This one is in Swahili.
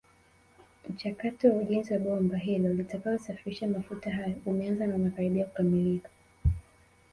Mchakato wa ujenzi wa bomba hilo litakalosafirisha mafuta hayo umeanza na unakaribia kukamilika